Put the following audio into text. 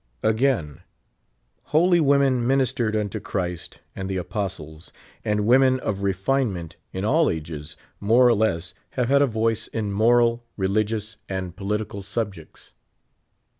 Again : Holy women ministered unto Clirist and the apostles ; and women of refinement in all ages, more or less, have had a voice in moral, religious, and political 77 subjects.